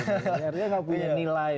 karena dia gak punya nilai